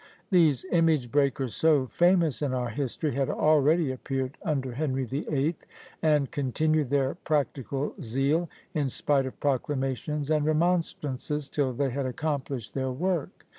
These image breakers, so famous in our history, had already appeared under Henry the Eighth, and continued their practical zeal, in spite of proclamations and remonstrances, till they had accomplished their work.